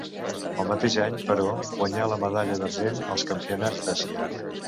El mateix any, però, guanyà la medalla d'argent als Campionats d'Àsia.